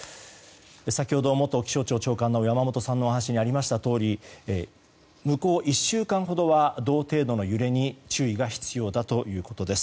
先ほど元気象庁長官の山本さんのお話にありましたとおり向こう１週間ほどは同程度の揺れに注意が必要だということです。